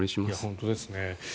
本当ですね。